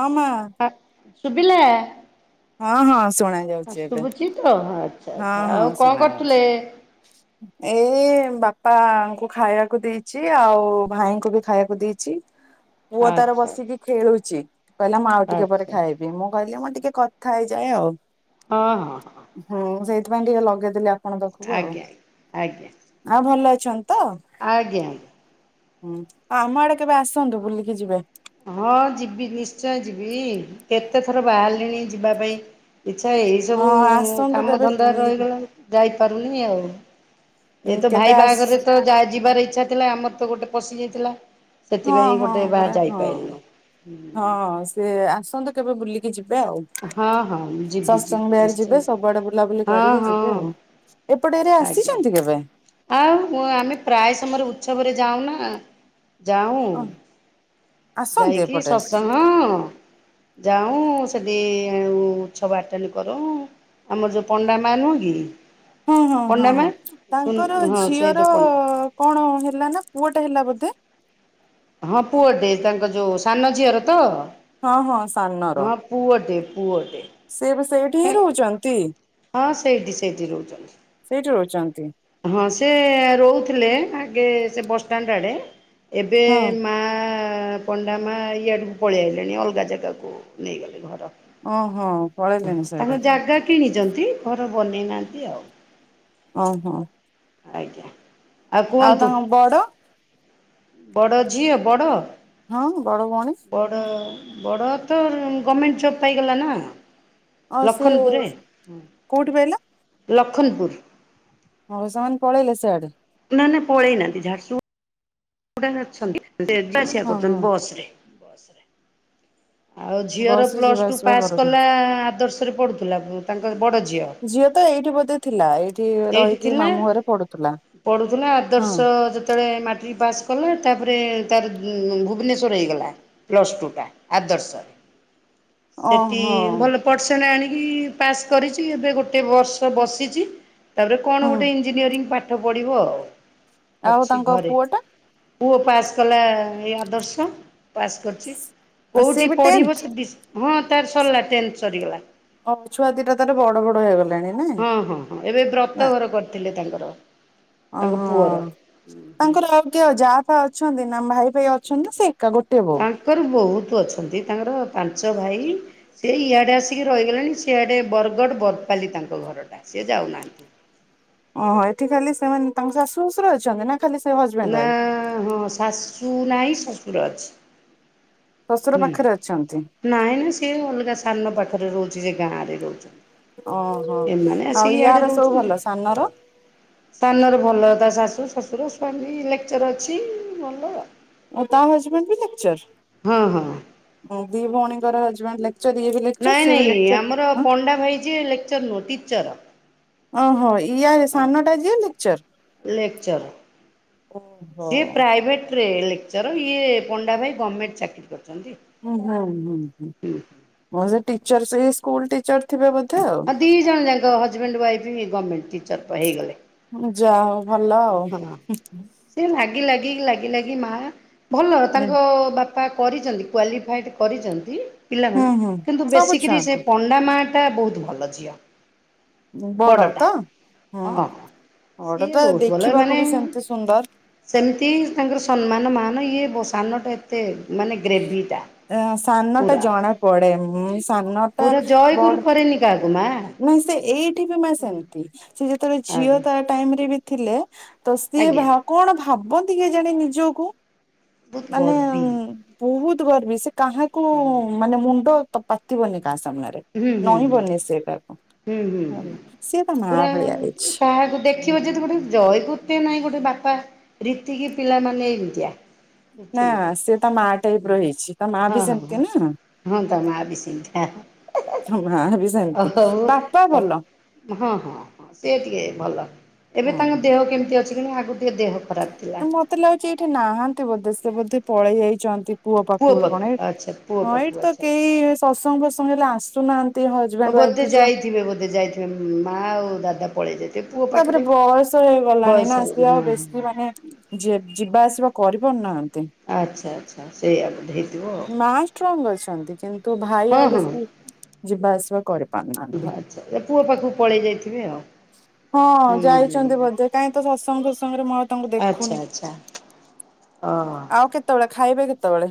ହଁ ମା ସୁବିଲା ହଁ ହଁ ଶୁଣା ଯାଉଚି ଏବେ। ତ ଆଚ୍ଛା ହଁ ଆଚ୍ଛା ହଁ ଆଉ କଣ ଶୁଣା କରୁଥିଲେ? ଅଯାଉଛି ଏଇ ବାପାଙ୍କୁ ଖାଇବାକୁ ଦେଇଛି ଆଉ ଭାଇଙ୍କୁ ବି ଖାଇବାକୁ ଦେଇଛି। ପୁଅ ତାର ଆଚ୍ଛା ଆଚ୍ଛା ବସିକି ଖେଳୁଛି। କହିଲା ମା ଆଉ ଟିକେ ପରେ ଆଚ୍ଛା ଖାଇବି। ମୁଁ କହିଲି ମତେ ଟିକେ କଥା ହେଇଯାଏ ଆଉ। ହଁ ହଁ ହଁ। ହଁ ସେଇଥିପାଇଁ ଟିକେ ଲଗେଇଦେଲି ଆପଣଙ୍କ ପାଖକୁ ଆଉ। ଆଜ୍ଞା ଆଜ୍ଞା ଆଉ ଭଲ ଅ ଆଜ୍ଞା ଆଜ୍ଞା। ହୁଁ ଆଉ ଆମ ଆଡେ କେବେ ଆସନ୍ତୁ ବୁଲିକି ଯିବେ। ହଁ ଯିବି ନିଶ୍ଚୟ ଯିବି। କେତେ ଥର ବାହାରିଲିଣି ଯିବା ପାଇଁ ଇଛା ଏଇ ହଁ ସବୁ ଆସନ୍ତୁ କାମ କେବେ ଧନ୍ଦା ବୁଲିକି ରହିଗଲା। ଯାଇପାରୁନି ଆଉ। ଏ ହୁଁ ତ କେବେ ଭାଇ ଆସ ବାହାଘରରେ ତ ଯିବାର ଇଚ୍ଛା ଥିଲା ଆମର ତ ଗୋଟେ ପଶି ଯାଇଥିଲା। ହଁ, ହଁ ପରା, ହଁ, ହଁ ସେ ଆସନ୍ତୁ କେବେ ବୁଲିକି ଯିବ। ଏବେ ଆଉ ହଁ ହଁ ଯିବି ସତସଙ୍ଗ ଯିବି ବିହାର ନିଶ୍ଚୟ ଯିବେ, ଯିବି ସବୁଆଡେ ବୁଲାବୁଲି ହଁ କରିକି ହଁ ଯିବେ ଆଉ, ଏପଟେ ଏରିଆ ଆସିଛ ଆଜ୍ଞା କେତି କେବେ? ଆଉ, ଆମେ ପ୍ରାୟ ସମୟରେ ଉତ୍ସବରେ ଯାଉ ନା ଯାଉ, ଓ ଆସନ୍ତି ଯାଇକି ଏପଟେ ସତସଙ୍ଗ, ହଁ ଯାଉ ସେଦି [unintelligible] ହୁଁ ହୁଁ ହଁ ହଁ ତାଙ୍କର ହଁ ସେ ଝିଅର ଯୋଉ ପଣ୍ଡା କଣ ହେଲା, ନା ପୁଅଟା ହେଲା ବୋ ତେ ତେ। ହଁ ପୁଅ ଟେ, ତାଙ୍କ ଯୋଉ ସାନ ଝିଅର ତ? ହଁ, ହଁ, ସାନର, ହଁ ପୁଅଟେ ପୁଅଟେ ସେ ବି ସେଇଠି ହିଁ ରହୁଛନ୍ତି। ହଁ, ସେଇଠି ସେଇଠି ରହୁଛନ୍ତି। ସେଇଠି ରହୁଛନ୍ତି। ହଁ, ସେ ରହୁଥିଲେ ଆଗେ ସେ ବସଷ୍ଟାଣ୍ଡ ଆଡେ। ଏବେ ହଁ ମା ପଣ୍ଡା ମା, ଇଆଡ଼କୁ ପଳେଇଇଲେଣି ଅଲଗା ଜାଗାକୁ, ନେଇଗଲେ ଘର। ଓହୋ ପଳେଇଲେଣିି ସେଇଡେ। ଛନ୍ତି, ଘର ବନେଇନାହାନ୍ତି ଆଉ। ଓହୋ। ଆଜ୍ଞା। ଆଉ ତାଙ୍କ ବଡ। ବଡ଼ ଝିଅ ବଡ। ହଁ ବଡ ଭଉଣୀ। ବଡ ତ ଗଭର୍ମେଣ୍ଟ ଜବ୍ ପାଇଗଲା ନା। ଆଉ ସେ ଲଖନପୁରରେ କୋଉଠି ଲଖନ୍ ପୁର। ହଉ ସେମାନେ ପଳେଇଲେ ସେଆଡେ। ନା ନା ପଳେଇନାହାନ୍ତି, ଝାରସୁଗୁଡା ରେ ଅଛନ୍ତି, ଯିବା ଆସିବା ହଁ ହଁ କରୁଛନ୍ତି ବସ ରେ। ବସରେ। ଆଉ ଝିଅର ବସ ରେ ପ୍ଲସ୍ ଯିବା ଟୁ ଆସିବା ପାସ୍ କରୁଛନ୍ତି। କଲା ଆଦର୍ଶରେ ପଢ଼ୁଥିଲା, ତାଙ୍କ ବଡ଼ ଝିଅ। ଏଇଠି ବୋଧେ ଥିଲା, ଏଇଠି ଏଇଠି ରହିକି ଥିଲା। ମାମୁଁ ଘରେ ପଡୁଥିଲା। ପଢ଼ୁଥିଲା, ଆଦର୍ଶ ଯେତେବେଳେ ମାଟ୍ରିକ୍ ପାସ୍ କଲା, ତାପରେ ତାର ଭୁବନେଶ୍ଵର ହେଇଗଲା ପ୍ଲସ୍ ଟୁ ଟା। ଆଦର୍ଶରେ, ସେଠି ଓହୋ ଭଲ ପସେଣ୍ଟ ଆଣି କି ପାସ୍ କରିଛି, ଏବେ ଗୋଟେ ବର୍ଷ ବସିଛି, ତାପରେ କଣ ହୁଁ ଗୋଟେ ଇଞ୍ଜିନିୟରି ପା ପାଠ ପଢ଼ିବ ଆଉ। ଆଉ ତାଙ୍କ ଘରେ। ପୁଅ ଟା। ପୁଅ ପାସ୍ କଲା, ଏ ଆଦର୍ଶ ପାସ୍ କରିଛି। ସିଏ କୋଉଠି ବି ପଢିବ, ଟେନ୍ଥ। ସେ ଡିସ ହଁ ତାର ସରିଲା ଟେନ୍ଥ ସରିଗଲା। ଓ ଛୁଆ ଦିଟା ତାର ବଡ ବଡ ହେଇଗଲାଣି ନାଇଁ। ହଁ ହଁ ହଁ ଏବେ ନା। ବ୍ରତ ଘର କରିଥିଲେ ତାଙ୍କର। ର। ଓହୋ, ତାଙ୍କର ଆଉ କିଏ ଯାହା ଫା ଅଛନ୍ତି ନା ଭାଇ ଫାଇ ଅଛନ୍ତି ସେ ଏକା ଗୋଟିଏ ବୋଉ? ତାଙ୍କର ବହୁତ ଅଛନ୍ତି, ତାଙ୍କର ପାଞ୍ଚ ଭାଇ, ସେ ଇଆଡ଼େ ଆସିକି ରହିଗଲେଣି, ସିଆଡ଼େ ବରଗଡ଼ ବରପାଲି ତାଙ୍କ ଘରଟା। ସେଏ ଯାଉନାହାନ୍ତି। ଓହୋ, ଏଠି ଖାଲି ସେମାନେ ତାଙ୍କ ଶାଶୁ ଶଶୁର ଅଛନ୍ତି ନା ଖାଲି ସେ ହଜବେଣ୍ଡ ନା, ୱାଇଫ୍? ହଁ, ଶାଶୁ ନାହିଁ ଶଶୁର ଅଛି। ଶ୍ୱଶୁର ହୁଁ, ପାଖରେ ଅଛନ୍ତି ନାହି ନାହିଁ, ସେ ଅଲଗା ସାନ ପାଖରେ ରହୁଚି, ସେ ଗାଁରେ ଓହୋ। ରହୁଛନ୍ତି। ଏମାନେ ଆଉ ଆସିକି ୟାର ଇଆଡେ ସବୁ ଭଲ ରହୁଛନ୍ତି, ସାନର ଆଉ ସାନରେ ଭଲ ଶାଶୁ ଶଶୁର ସେମାନେ ବି ଲେକ୍ଚର ଅଛି, ଭଲ ଆଉ। ତା ହଜବେଣ୍ଡ ବି ଲେକଚର୍, ହଁ ହଁ ଦି ଭଉଣୀଙ୍କର ହଜବେଣ୍ଡ ଲେ ନାଇଁ ନାଇଁ, ଆମର ପଣ୍ଡା ଭାଇ ଯେ ଲେକ୍ଚର ନୁହଁ ଟିଚର। ଓହୋ ଇଆ ସାନ ଟା ଯିିଏ ଲେଚର। ସେ ପ୍ରାଇଭେଟ ରେ ଲେକ୍ଚର ଇଏ ପଣ୍ଡା ଭାଇ ଗଣ୍ଣମେଣ୍ଟ ଚାକିରୀ କର ହଁ ହୁଁ ହୁଁ ହୁଁ ସେ ଟିଚର ସେ ସ୍କୁଲ ଟିଚର ଥିବେ ବୋ ହଁ ଦି ଜଣ ଯାକ ହଜବେଣ୍ଡ ୱାଇଫ୍ ଗଭର୍ଣ୍ଣମେଣ୍ଟ ଟିଚର ହେଇଗଲେ। ଯା ହଉ ଭଲ ଆଉ। ଲାଗ ଲାଗି ଲାଗି ଲାଗି ମା ଭଲ ହୁଁ ତାଙ୍କ ବାପା କରିଛନ୍ତି କ୍ୱଵାଲିଫଏଡ଼ କରିଛନ୍ତି ହୁଁ ପିଲାମାନେ ହୁଁ। କିନ୍ତୁ ସବୁ ବେଶିକରି ସେ ଛୁଆଙ୍କୁ ପଣ୍ଡା ମା ହେଏ ବହୁତ ଭଲ ଝିଅ । ବଡ଼ ତ ହୁଁ ହଁ । ବଡ଼ ସିଏ ତ ବହୁତ ଭଲ ମାନେ ଦେଖିବାକୁ ବି ସେମତି ସୁନ୍ଦର । ସେମିତି ତାଙ୍କର ସମ୍ମାନ ମାନ ଇଏ ସାନଟା ଏତେ ମାନେ ଗ୍ରେଭିଟା । ସାନ ଟା ଜଣା ପଡେ ସାନଟା ପୁରା ବ ଜୟଗୁରୁ କରେନି କାହାକୁ ମା ନାଇଁ ସେ ଏଇଠି ବି ମା ସେମିତି, ସେ ଯେତେବେଳେ ଝିଅ ଆଜ୍ଞା ତା ଟାଇମ ରେ ବି ଥିଲେ ତ ସିଏ ଆଜ୍ଞା ବା କଣ ଭାବନ୍ତି, କିଏ କେଜାଣି ନିଜକୁ । ବହୁତ ମାନେ ଗର୍ବୀ ବହୁତ ଗର୍ବୀ ସେ କାହାକୁ ହୁଁ ମାନେ ମୁଣ୍ଡ ତ ପାତିିବନି କାହା ସାମ୍ନାରେ, ହୁଁ ହୁଁ ହୁଁ ନହଁବନି ସେଟା ହୁଁ ହୁଁ ଆରୁ ପୁରା କାହାକୁ ଦେଖିବ ଯଦି ଗୋଟେ ଜୟକତେ ନାଇଁ ଗୋଟେ ବାକ ହଏ ରୀତିିକି ପିଲାମାନେ ଏମିତିଆ ନା ବୁଝିଲେ କି ନାଇଁ। ସେ ତା ମାଆ ଟାଇପ ର ହେଇଛି ତା ମାଆ ହଁ ବି ହଁ ହଁ ସେମିତୀ ନା । ହଁ ତା ମାଆ ବିି ସେମିତିଆ। ମା ବି ସେମିତି, ହଉ ବାପା ହଉ ଭଲ । ହଁ ହଁ ହଁ ସେ ଟିକେ ଭଲ ଏବେ ହୁଁ ତାଙ୍କ ହୁଁ। ଦେହ କେମିତି ଅଛି କିନ୍ତୁ ଆଗ ଟିକେ ଦେହ ଖରାପ ଥିଲା ମତେ ଲାଗୁଛି ଏଇଠି ନାହାନ୍ତି ବୋଧେ ସେ ବୋଧେ ପଳେଇ ଯାଇଛନ୍ତି । ପୁଅ ପାଖକୁ ବି କଣ ଏଇ, ଆଚ୍ଛା ପୁଅ ହଁ ଏଇଠି ପାଖକୁ ତ ଆଚ୍ଛା ଆଚ୍ଛା କେହି ସତସଙ୍ଗ ଫସଙ୍ଗ ହେଲେ ଆସୁନାହାନ୍ତି । ହ ବୋଧେ ଯାଇଥିବେ ବୋଧେ ଯାଇଥିବେ ମାଆ ଆଉ ଦାଦା ପଳେଇଲେ। ତାପରେ ବୟସ ହେଇଗଲାଣି ନା ହଁ ସେ ଆଉ ହଁ ବେଶୀ ମାନେ ଯିବା ଆସିବା କର ପାରୁନାହାନ୍ତି। ଆଚ୍ଛା ଆଚ୍ଛା ସେଇଆ ବୋଧେ ହେଇଥିବ ମାଆ ଷ୍ଟ୍ରଙ୍ଗ ଅଛନ୍ତି କିନ୍ତୁ ଭାଇ ଆଉ ବେଶୀ ଯିବା ଆସିବା କରି ହଁ ପାରୁନାହାନ୍ତି । ଆଚ୍ଛା ଏ ପୁଅ ପାଖକୁ ପଳେଇ ଯାଇଥିବେ ଆଉ ହଁ ହୁଁ ଯାଇଛନ୍ତି ହୁଁ ବୋଧେ କାହିଁ ତ ଶତ୍ସଙ୍ଗ ଫତ୍ସଙ୍ଗରେ ମ ତାଙ୍କୁ ଆଚ୍ଛା ଦେଖୁନି, ଆଚ୍ଛା ହଁ ଆଉ କେତେବେଳେ ଖାଇବେ କେତେବେଳେ?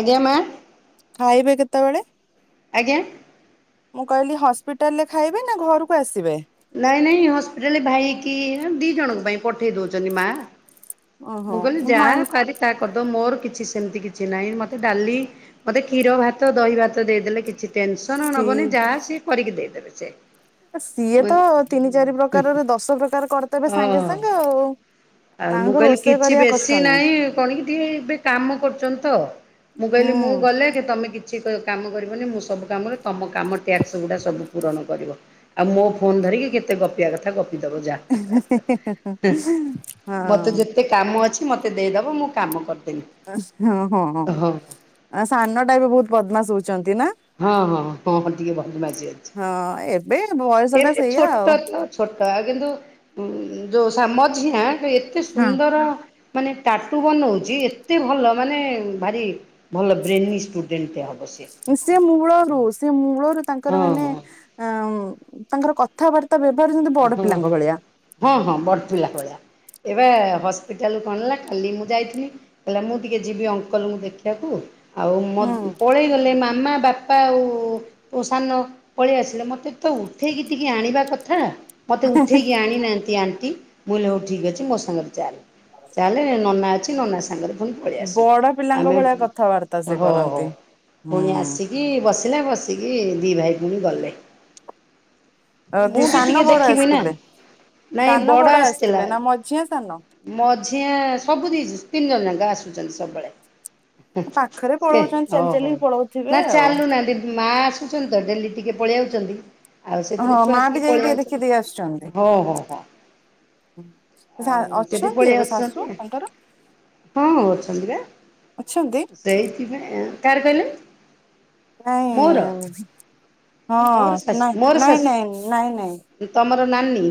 ଆଜ୍ଞା ମାଆ ଖାଇବେ କେତେବେଳେ? ଆଜ୍ଞା। ମୁଁ କହିଲି ହସ୍ପିଟାଲ ରେ ଖାଇବେ ନା ଘରକୁ ଆସିବେ । ନାଇଁ ନାଇଁ ହସ୍ପିଟାଲରେ ଭାଇକି ଦି ଜଣଙ୍କ ପାଇଁ ପଠେଇ ଦଉଛନ୍ତି ମାଆ। ଓହୋ ମୁଁ କହିଲି ଯା ଭାଇ ପାରି ତାହା କରି ଦଉନ ମୋର କିଛି ସେମତି କିଛି ନାହିଁ ମତେ ଡାଲି ମୋତେ କ୍ଷୀର ଭାତ ଦହି ଭାତ ଦେଇଦେଲେ କିଛି ଟେନ୍ସନ ସି ନବନି ଯାହା ସିଏ କରିକି ଦେଇଦେବେ ସେ । ସିଏ ତ ତିନି ଚାରି ପ୍ରକାରର ଦଶ ପ୍ରକାର କରିଦେବେ ସାଙ୍ଗେ ହଁ। ସାଙ୍ଗେ ଆଉ । ଆଉ ମୁଁ କହିଲି କିଛି ବେଶୀ ନାହିଁ, କଣ କି ଟିକେ ଏବେ କାମ କରୁଛନ୍ତି ତ । ମୁଁ କହିଲି, ମୁଁ ହୁଁ। ଗଲେ କି ତମେ କିଛି କିଛି କାମ କରିବନି, ମୁଁ ସବୁ କାମରେ ତମ କାମ ଟ୍ୟାକ୍ସ ଗୁଡ଼ା ସବୁ ପୂରଣ କରିବ । ଆଉ ମୋ ଫୋନ୍ ଧରିକି କେତେ ଗପିବା କଥା ଗପ। ଦବ ଯା, ମତେ ହଁ ଯେତେ କାମ ଅଛି ମୋତେ ଦେଇଦେବ ମୁଁ କାମ କରିଦେବି । ହଁ ହଁ ହଁ ସାନଟା ବି ବହୁତ ବଦମାସ୍ ହଉଛନ୍ତି ନା? ହଁ ହଁ ହଁ ହଁ ଟିକେ ବଦମାସୀ ଅଛି, ହଁ ଏବେ ବୟସ ଟା ଏମିତି ସେଇଆ ଛୋଟ ଆଉ। ତ ଛୋଟ ଆଉ କିନ୍ତୁ ଯୋଉ ସାମଝି ନା ଏତେ ହଁ। ସୁନ୍ଦର ମାନେ ଟାଟୁ ବନଉଛି। ଏତେ ଭଲ ମାନେ ଭାରି ଭଲ ବ୍ରେନି ଷ୍ଟୁଡେଣ୍ଟଟ ଟେ ହବ । ସେ ମୂଳରୁ ସେ ମୂଳରୁ ତାଙ୍କର ହଁ ମାନେ ଅଉ ତାଙ୍କର କଥାବାର୍ତ୍ତା ବ୍ୟବହାର ଯେମିତି ବଡ ହଁ ହଁ ପିଲାଙ୍କ ଭଳିଆ। ହଁ ହଁ ବଡ଼ପିଲା ଭଳିଆ ଏବେ ହସ୍ପିଟାଲ କଣ ହେଲା? କାଲି ମୁଁ ଯାଇଥିଲି, କହିଲା ମୁଁ ଟିକେ ଯିବି ଅଙ୍କଲଙ୍କୁ ଦେଖିବାକୁ । ଆଉ ମୋତ ହୁଁ ପଳେଇ ଗଲେ ମାମା । ବାପା ଆଉ ସାନ ପଳେଇ ଆସିଲେ ମୋତେ ତ ଉଠେଇକି ଟିକି ଆଣିବା କଥା । ମୋତେ ଉଠେଇକି ଆଣିନାହାନ୍ତି ଆଣ୍ଟି, ମୁଁ ହଉ ଠିକ୍ ଅଛି ମୋ ସାଙ୍ଗରେ ଚାଲ । ଚାଲେ ନନା ଅଛି ନନା ସାଙ୍ଗରେ ପୁଣି ପଳେଇ ଆସୁ ବଡ ପିଲାଙ୍କ ଆମେ ଭଳିଆ କଥାବାର୍ତ୍ତା ସେ ହଉ ହଉ କରନ୍ତି। ହୁଁ ପୁଣି ଆସିକି ବସ ଆ ବସିକି ଦି ଭାଇ ପୁଣି ଗଲେ । ଅ ଦି ସାନ ବଡ ଆସିଥିଲେ। ନାଇଁ ସାନ ବଡ ଆସିଥିଲା ଆସିଥିଲେ ନା ମଝିଆ ସାନ? ମଝିଆ ସବୁ ଦି ସ୍ ତିନି ଜଣ। ଯାଙ୍କ ଆସୁଛନ୍ତି ସବୁବେଳେ। ହେ ପାଖରେ ସେ ପଳଉଛନ୍ତି ଚାଲି ଓହୋ ଚାଲିକି ପଳଉଥିବେ ନା ଆଉ ଚାଲଲୁ ନାହାନ୍ତି ମା ଆସୁ ଛନ୍ତି ତ ଡେଲି ଟିକେ ପଳେଇଆଉଛନ୍ତି ଆଉ ହଁ ସେଥିରେ ଛୁଆ ମା ବି ଟିକେ ଯାଇକି ପଳେଇଆଉଛନ୍ତି। ଦେଖିଦେଇ ଆସୁଛନ୍ତି। ହଉ ହଉ ହଉ। ଅଛନ୍ତି ଏବେ ଆସୁଛନ୍ତି ଶାଶୁ ତାଙ୍କର? ହଁ ଅଛନ୍ତି ଅଛନ୍ତି? ପା ସେଇଥିପାଇଁ କାହାର କହିଲେ? ମୋର ନାଇଁ ମୋର ହଁ ଶାଶୁ ନା ମୋର ନାଇଁ ନାଇଁ ଶାଶୁ ନାଇଁ ନାଇଁ। ତମର ନାନୀ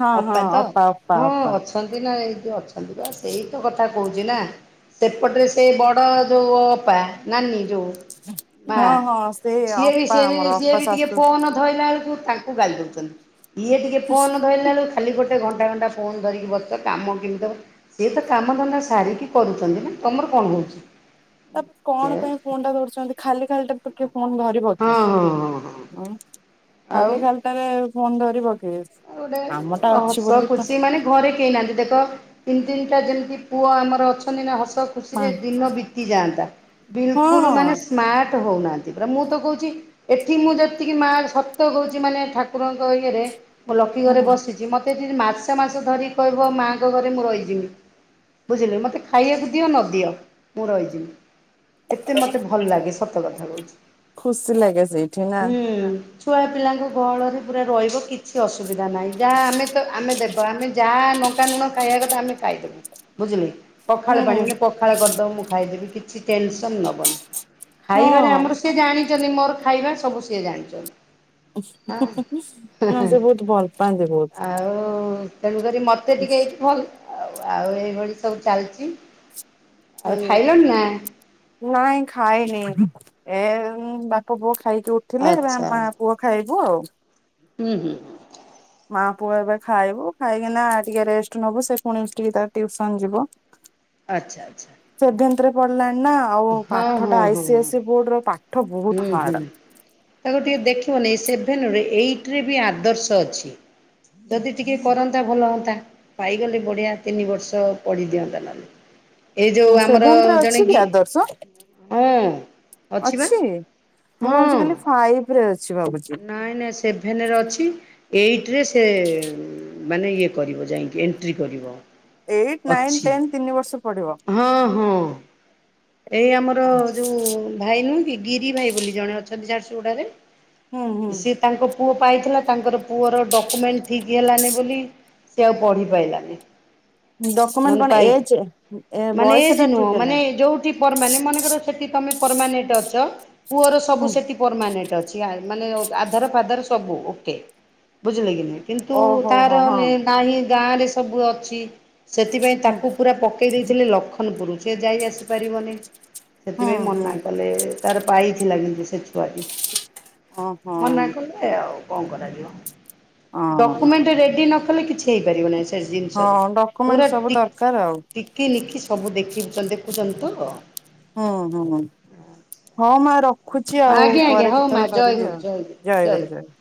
ହଁ ହଁ ଅପା ତ ଅପା ହଁ ଅପା ଅଛନ୍ତି ନା ଏଇ ସିଏ ଅଛନ୍ତି ତ ସେଇ ତ କଥା କହୁଛି ନା। ସେପଟରେ ସେ ବଡ ଯୋଉ ଅପା ନାନୀ ଯୋଉ। ବା ହଁ ହଁ ସେ ସିଏ ବି ଅପା ସିଏ ବି ଆମର ସିଏ ଅପା ବି ଟିକେ ଶାଶୁ ଫୋନ ଧୋଇଲା ବେଳକୁ। ତାଙ୍କୁ ଗାଳି ଦଉଛନ୍ତି ଇଏ ଟିକେ ଫୋନ ଧରିଲଲା ବେଳୁକୁ ଖାଲି ଗୋଟେ ତେ ଘଣ୍ଟା ଘଣ୍ଟା ଫୋନ ଧରିକି ବସ କାମ କେମିତି ହେବ ସିଏ ତ କାମ ଧନ୍ଦା ସାରିକି କରୁଛନ୍ତି। ନା ତମର କଣ କହୁଛି। ତା କଣ ପାଇଁ ଫୋନ ଟା ଧରୁଛନ୍ତି ଖାଲି ଖାଲି ଟା ତ କିଏ ଫୋନ ଧରିବ କି ହଁ ହଁ ହଁ ହଁ ଖାଲି ଉ ଆଉ ଖାଲିଟାରେ ଫୋନ ଧରିବ କି ଆଉ ଗୋଟେ କାମଟା ଅଛି ହସ ବୋଲି ତ ଖୁସି ମାନେ ଘରେ କେହି ନାହାନ୍ତି ଦେଖ ତିନି ତିନିଟା ଯେମିତି ପୁଅ ଆମର ଅଛନ୍ତି ନା ହସ ହସ ମା ଖୁସିରେ ଦିନ ବିତିଯାଆନ୍ତା ହଁ ବିଲକୁଲ୍ ମାନେ ସ୍ମାର୍ଟ ହଉନାହାନ୍ତି ମୁଁ ତ କହୁଛି ଏଠି ମୁଁ ଯେତିକି ମା ସତ କହୁଛି ମାନେ ଠାକୁରଙ୍କ ଇଏରେ ମୋ ଲକୀ ଘରେ ହୁଁ। ବସିଛି ମତେ ଏଠି ମାସେ ମାସ ଧରି କହିବ ମାଆଙ୍କ ଘରେ ମୁଁ ରହିଯିବି ବୁଝିଲୁ ମୋତେ ଖାଇବାକୁ ଦିଅ ନଦିଅ ମୁଁ ରହିଯିବି । ଏତେ ମତେ ଭଲ ଲାଗେ ସତ କଥା କହୁଛି ଖୁସି ଲାଗେ ସେଇଠି ନା ହୁଁ ଛୁଆ ପିଲାଙ୍କ ଗହଳରେ ପୁରା ରହିବ କିଛି ଅୁବିଧା ସୁବିଧା ନାହିଁ ଯାହା ଆମେ ତ ଆମେ ଦେଖ ଆମେ ଯାହା ନ ଲଙ୍କା ଲୁଣ ଖାଇବା କଥା ଆମେ ଖାଇଦେବୁ ବୁଝିଲେ କି ପଖାଳ ହୁଁ ପାଣି ପଖାଳ କରିଦବ ମୁଁ ଖାଇଦେବି କିଛି ଟେନସନ ନବନି ଖାଇବାରେ ହଁ। ଆମର ସିଏ ଜାଣିଛନ୍ତି ମୋର ଖାଇବା ସବୁ ସିଏ ଜାଣିଛନ୍ତି [inaudible] ହେ ହେ ଭଲ ପାଆନ୍ତି ବହୁତ ଆଉ ତେଣୁକରି ମତେ ଟିକେ ଏଇଠି ଭଲ ଆଉ ଆଉ ଏଇଭଳି ସବୁ ଚାଲିଛି ଆଉ ହୁଁ ଖାଇଲଣି ନା ନାଇଁ ଖାଏନି ଏ ବାପ ପୁଅ ଖାଇକି ଉଠିଲେ ବା ଆଚ୍ଛା ମା ପୁଅ ଖାଇବୁ ଆଉ ହୁଁ ହୁଁ ମା ପୁଅ ଏବେ ଖାଇବୁ ଖାଇକିନା ଟିକେ ରେଷ୍ଟ ନବୁ ସେ ପୁଣି ଟିକେ ତା ଟିଉସନ ଯିବ । ଆଚ୍ଛା ଆଚ୍ଛା ପଢିଲାଣି ନା ଆଉ ହଁ ପାଠ ହଁ ଟା ଆଇ ସ ହଁ ଏସ୍ ସ ବୋର୍ଡ ର ପା ହୁଁ ହୁଁ ତାକୁ ଟିକେ ଦେଖିବନି ସେଭେନରେ ଏଇ ଟି ରେ ବି ଆଦର୍ଶ ଅଛି । ଯଦି ଟିକେ କରନ୍ତା ଭଲ ହୁଅନ୍ତା ପାଇଗଲେ ବଢିଆ ତିନି ବର୍ଷ ପଢି ଦିଅନ୍ତା ନହଲେ। ଏଇ ହୁଁ ଯୋଉ ଆମର ସେଭେନ୍ଥରେ ଅଛି ଜଣେ କି ଗୀ ଆଦର୍ଶ ହଁ ଅଛି ବା। ମୁଁ ଭାବଛି ହଁ ଖାଲି ଫାଇବରେ। ନାଇଁ ନାଇଁ ସେଭେନରେ ଅଛି ଏଇଟରେ ସେ ମାନେ ଇଏ କରିବ ଯାଇକି ଏଣ୍ଟ୍ରି କରିବ। ଏଇଟ୍ ନାଇନ୍ ଅଛି ଟେନ୍ ତିନି ବର୍ଷ ପଢିବ ହଁ ହଁ। ଏଇ ଆମର ଯୋଉ ଭାଇ ନୁହେଁ କି ଗିରି ଭାଇ ବୋଲି ଜଣେ ଅଛନ୍ତି ଝାରସୁଗୁଡାରେ ହୁଁ ହୁଁ ସି ତାଙ୍କ ପୁଅ ପାଇଥିଲା ତାଙ୍କର ପୁଅର ଡକୁମେଣ୍ଟ ଠିକ୍ ହେଲାନି ବୋଲି ସେ ଆଉ ପଢିପାରିଲାନି। ଡକ୍ୟୁମେଣ୍ଟ ମାନେ କଣ ପାଇଛ ଏଜ୍ ଏ ମାନେ ବୟସ ଏଜ ଟା ନୁହଁ ଠିକ ହେଲା ମାନେ ଯୋଉଠି ପରମାନେଣ୍ଟ ମନେକର ସେଠି ତମେ ପରମାନେଟ୍ ଅଛ ପୁଅର ସବୁ ହୁଁ ସେଠି ପରଣ୍ଟ ଅଛି ଆ ମାନେ ଅ ଆଧର ଫାଧର ସବୁ ଓକେ ବୁଝିଲେ କି ନାଇ। କିନ୍ତୁ ଓହୋ ତାର ହୋ ହଁ ନେ ନାହିଁ ଗାଁ ରେ ସବୁ ଅଛି। ସେଥିପାଇଁ ହୁଁ ତାକୁ ପୁରା ପକେଇ ଦେଇଥିଲେ ଲଖନପୁର ସେ ଯାଇ ଆସି ପାରିବନି। ହୁଁ ସେଥିପାଇଁ ହୁଁ ମନା କଲେ ତାର ପାଇ ଥିଲା କିନ୍ତୁ ସେ ଛୁଆଟି। [inaudible] ମନା କଲେ ଆଉ କଣ କରାଯିବ ହଁ ଡକୁମେଣ୍ଟ ରେଡି ନକଲେ ନହେଲେ କିଛି ହେଇପାରିବ ନାହିଁ ସେ ଜିନିଷରେ ହଁ ଡକ୍ୟୁମେଣ୍ଟ ପୁରା ସବୁ ଟିକ ଦରକାର ଆଉ ଟିକି ନଖି ସବୁ ଦେଖିବେ। ଚନ୍ଦ ଦେଖୁଛନ୍ତି ତ। ହୁଁ ହୁଁ ହଁ ମା ରଖ ରଖୁଛି ଆଉ ଆଜ୍ଞା ଆଜ୍ଞା ପରେ ହଉ ମା କେତେବେଳେ ଜୟ କରିବି ଗୁରୁ ଆଉ ଜୟ ଗୁରୁ ଜୟ ଗୁରୁ ଜୟ ଗୁରୁ।